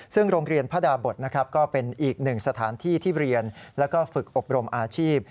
ซึ่งโรงเรียนพระดาบทนะครับก็เป็นอีกหนึ่งสถานที่ที่เรียนแล้วก็ฝึกอบรมอาชีพ